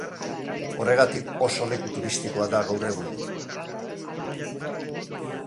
Horregatik oso leku turistikoa da gaur egun.